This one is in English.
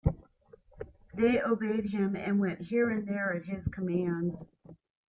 They obeyed him, and went here and there at his commands.